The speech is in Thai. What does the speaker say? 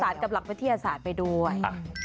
กับหลักวิทยาศาสตร์ไปด้วย